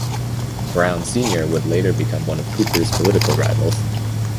Brown, Senior would later become one of Cooper's political rivals.